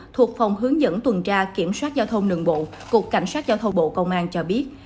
thuộc phòng hướng dẫn tuần tra kiểm soát giao thông đường bộ cục cảnh sát giao thông bộ công an cho biết